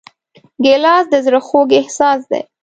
ګیلاس د زړه خوږ احساس دی.